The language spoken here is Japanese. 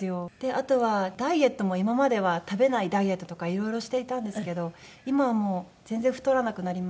あとはダイエットも今までは食べないダイエットとかいろいろしていたんですけど今はもう全然太らなくなりまして。